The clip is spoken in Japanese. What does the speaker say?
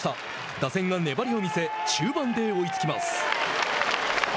打線が粘りを見せ中盤で追いつきます。